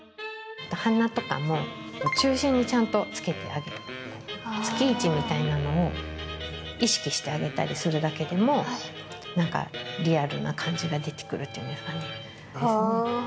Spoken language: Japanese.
そして鼻とかも中心にちゃんとつけてあげてつき位置みたいなのを意識してあげたりするだけでも何かリアルな感じが出てくるといいますかね。